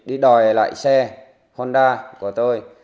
đi đòi lại xe honda của tôi